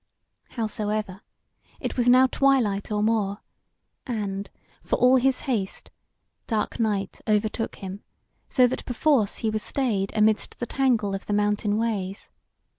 Howsoever, it was now twilight or more, and, for all his haste, dark night overtook him, so that perforce he was stayed amidst the tangle of the mountain ways.